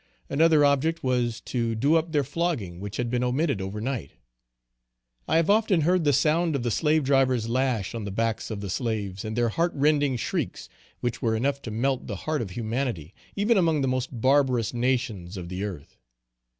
Another object was, to do up their flogging which had been omitted over night. I have often heard the sound of the slave driver's lash on the backs, of the slaves and their heart rending shrieks, which were enough to melt the heart of humanity, even among the most barbarous nations of the earth.